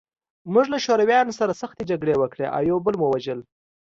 موږ له شورویانو سره سختې جګړې وکړې او یو بل مو وژل